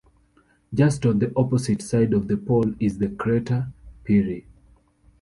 Just on the opposite side of the pole is the crater Peary.